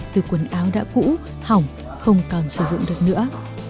từ quần áo đã cũ hỏng không còn sử dụng được nữa